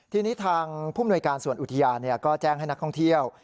ทีนี้ทางผู้มนวยการส่วนอุทยานก็แจ้งให้นักท่องเที่ยว